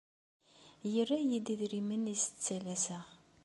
Yerra-yi-d idrimen i as-ttalaseɣ.